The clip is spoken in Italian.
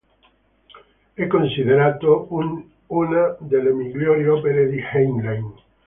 È considerato una delle migliori opere di Heinlein.